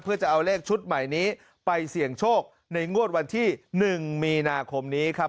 เพื่อจะเอาเลขชุดใหม่นี้ไปเสี่ยงโชคในงวดวันที่๑มีนาคมนี้ครับ